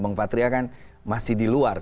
bang patria kan masih di luar